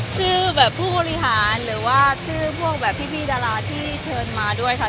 ชื่อแบบผู้บริหารหรือว่าชื่อพวกแบบพี่ดาราที่เชิญมาด้วยค่ะ